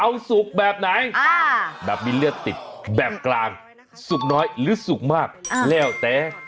เอาสุกแบบไหนแบบมีเลือดติดแบบกลางสุกน้อยหรือสุกมากแล้วแต่